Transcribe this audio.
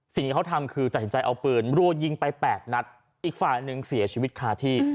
สิ่งที่เขาทำคือตัดสินใจเอาปืนรัวยิงไป๘นัดอีกฝ่ายหนึ่งเสียชีวิตคาที่